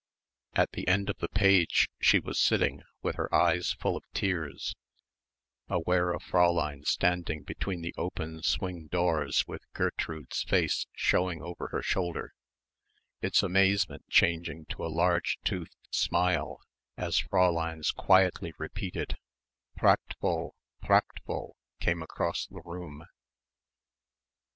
At the end of the page she was sitting with her eyes full of tears, aware of Fräulein standing between the open swing doors with Gertrude's face showing over her shoulder its amazement changing to a large toothed smile as Fräulein's quietly repeated "Prachtvoll, prachtvoll" came across the room.